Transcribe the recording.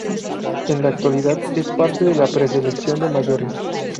En la actualidad es parte de la pre-selección de mayores.